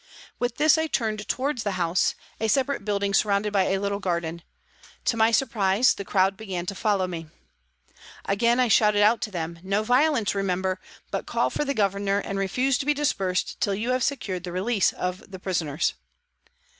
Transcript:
With this I turned towards the house, a separate building surrounded by a little garden. To my surprise, the crowd began to follow me. Again I shouted out to them " No violence, remember, but call for the Governor and refuse to be dispersed till you have secured the release of the prisoners."